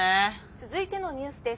「続いてのニュースです。